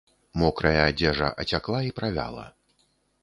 Мокрая адзежа ацякла і правяла.